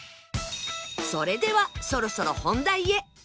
それではそろそろ本題へ